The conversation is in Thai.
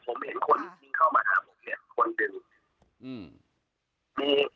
ผมเห็นคนที่ยิงเข้ามาข้างผมเนี่ยคนที่ยิง